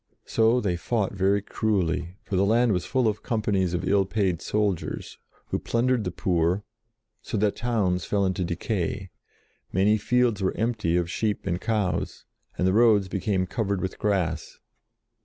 So they fought very cruelly, for the land was full of companies of ill paid soldiers, who plundered the poor, so that towns fell into decay, many fields were empty of sheep and cows, and the roads became covered with grass.